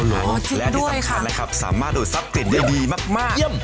และที่สำคัญนะครับสามารถดูซับติดได้ดีมาก